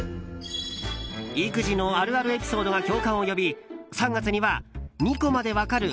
育児のあるあるエピソードが共感を呼び３月には「２コマでわかる！